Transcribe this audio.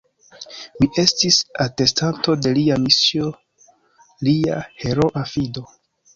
Mi estis atestanto de Lia misio, Lia heroa fido.